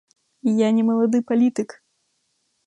Я не малады палітык!